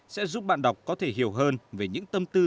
sẽ giúp bạn đọc có thể hiểu hơn về những tâm tư